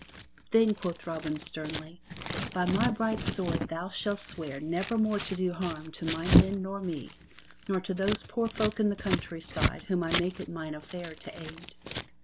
"Then," quoth Robin sternly, "by my bright sword thou shalt swear never more to do harm to my men nor me, nor to those poor folk in the countryside whom I make it mine affair to aid."